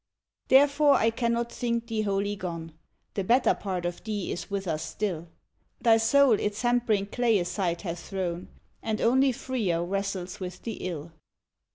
Therefore I cannot think thee wholly gone; The better part of thee is with us still; Thy soul its hampering clay aside hath thrown, And only freer wrestles with the Ill.